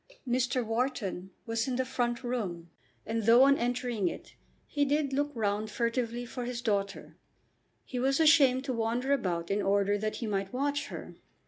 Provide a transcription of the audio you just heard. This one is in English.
Mr. Wharton was in the front room, and though on entering it he did look round furtively for his daughter, he was ashamed to wander about in order that he might watch her.